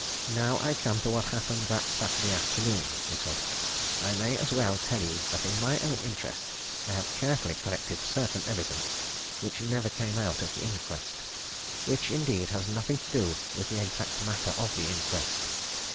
"Now I come to what happened that Saturday afternoon," he said. "I may as well tell you that in my own interest I have carefully collected certain evidence which never came out at the inquest which, indeed, has nothing to do with the exact matter of the inquest.